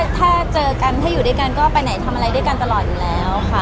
ถ้าเจอกันถ้าอยู่ด้วยกันก็ไปไหนทำอะไรด้วยกันตลอดอยู่แล้วค่ะ